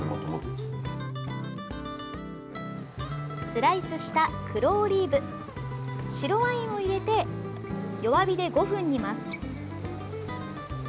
スライスした黒オリーブ、白ワインを入れて弱火で５分煮ます。